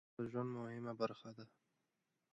ښوونه د ژوند مهمه برخه ده.